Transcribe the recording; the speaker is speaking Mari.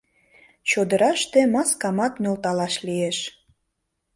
Чодыраште маскамат нӧлталаш лиеш.